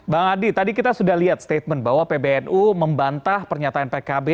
bang adi tadi kita sudah lihat statement bahwa pbnu membantah pernyataan pkb